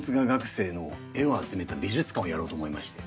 生の絵を集めた美術館をやろうと思いまして。